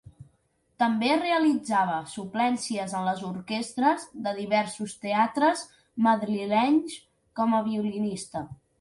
També realitzava suplències en les orquestres de diversos teatres madrilenys com a violinista.